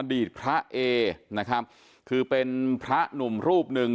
อดีตพระเอนะครับคือเป็นพระหนุ่มรูปหนึ่ง